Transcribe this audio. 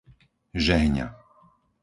Žehňa